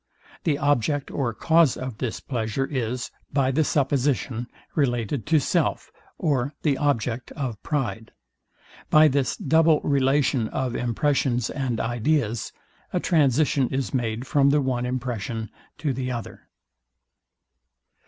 The object or cause of this pleasure is, by the supposition, related to self, or the object of pride. By this double relation of impressions and ideas, a transition is made from the one impression to the other.